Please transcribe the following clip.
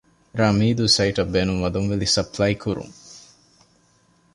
ރ.މީދޫ ސައިޓަށް ބޭނުންވާ ދޮންވެލި ސަޕްލައިކުރުން